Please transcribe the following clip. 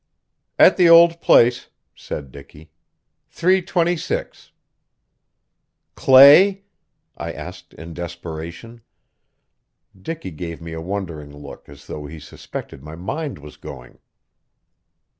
"At the old place," said Dicky; "three twenty six." "Clay?" I asked in desperation. Dicky gave me a wondering look as though he suspected my mind was going.